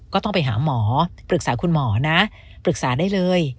ก็ต้องไปหาหมอปรึกษาคุณหมอนะปรึกษาได้เลย